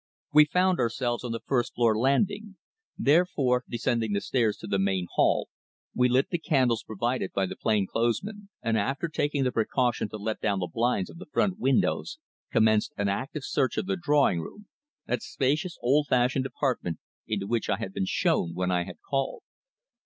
We found ourselves on the first floor landing, therefore, descending the stairs to the main hall, we lit the candles provided by the plain clothes man, and after taking the precaution to let down the blinds of the front windows, commenced an active search of the drawing room, that spacious old fashioned apartment into which I had been shown when I had called.